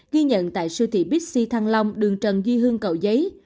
ghi nhận tại siêu thị bixi thăng long đường trần duy hương cậu giấy